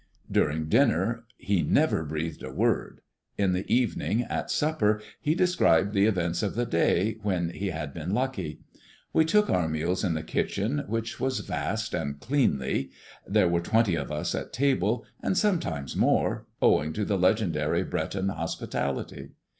During dinner he never breathed a word. In the evening at supper he described the events of the day, when he had been lucky. We took our meals in the kitchen, which was vast and cleanly. There were twenty of us at table, and sometimes more, owing to the legendary Breton hospitality.